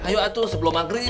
hayu atuh sebelum maghrib